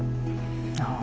ああ。